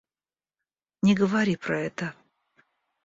Не говори про это.